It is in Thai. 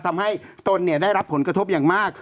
ทำให้ตนได้รับผลกระทบอย่างมาก